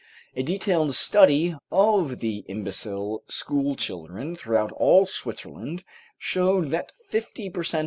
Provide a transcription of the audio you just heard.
A detailed study of the imbecile school children throughout all Switzerland showed that fifty per cent.